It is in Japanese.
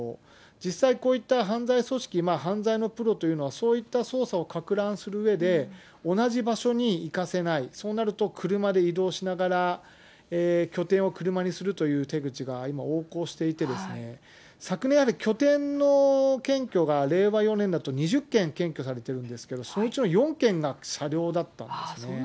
実際、こういった犯罪組織、犯罪のプロというのは、そういった捜査をかく乱するうえで、同じ場所に行かせない、そうなると車で移動しながら、拠点を車にするという手口が今、横行していて、昨年、やはり拠点の検挙が令和４年だと２０件検挙されてるんですけれども、そのうちの４件が車両だったんですね。